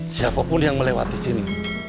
siapapun yang melewati sini